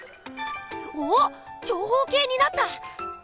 おっ長方形になった！